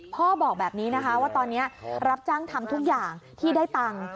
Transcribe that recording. บอกแบบนี้นะคะว่าตอนนี้รับจ้างทำทุกอย่างที่ได้ตังค์